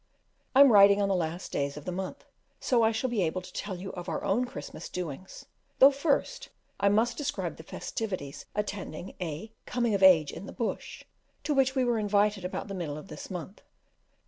I am writing on the last days of the month, so I shall be able to tell you of our own Christmas doings; though, first, I must describe the festivities attending a "coming of age in the Bush," to which we were invited about the middle of this month.